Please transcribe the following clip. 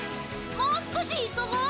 もう少し急ごう。